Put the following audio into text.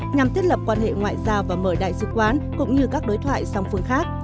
nhằm thiết lập quan hệ ngoại giao và mở đại sứ quán cũng như các đối thoại song phương khác